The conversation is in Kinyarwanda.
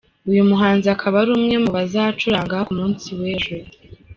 Uyu muhanzi akaba ari umwe mu bazacuranga ku munsi w’ejo.